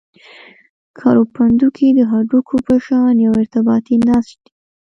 کرپندوکي د هډوکو په شان یو ارتباطي نسج دي.